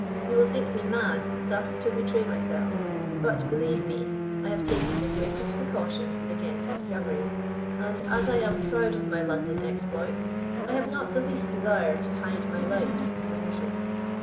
You will think me mad thus to betray myself, but, believe me, I have taken the greatest precautions against discovery, and as I am proud of my London exploits, I have not the least desire to hide my light beneath a bushel.